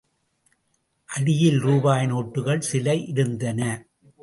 அடியில் ரூபாய் நோட்டுகள் சில இருந்தன.